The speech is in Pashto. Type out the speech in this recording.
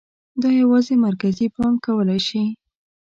دا یوازې مرکزي بانک کولای شي.